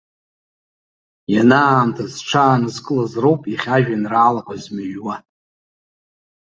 Ианаамҭаз зҽаанызкылаз роуп иахьа ажәеинраалақәа змыҩуа.